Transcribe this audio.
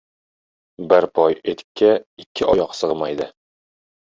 • Bir poy etikka ikki oyoq sig‘maydi.